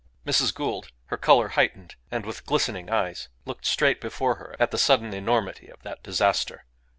Mrs. Gould, her colour heightened, and with glistening eyes, looked straight before her at the sudden enormity of that disaster.